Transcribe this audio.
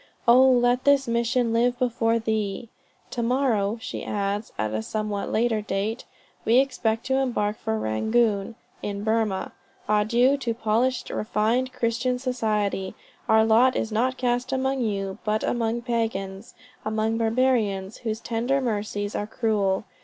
Oh, let this mission live before thee!" "To morrow," she adds, at a somewhat later date, "we expect to embark for Rangoon, (in Burmah.) Adieu to polished, refined, Christian society. Our lot is not cast among you, but among pagans, among barbarians, whose tender mercies are cruel.